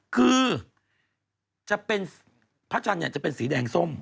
คือพระจันทร์เนี่ยจะเป็นสีแดงส้ม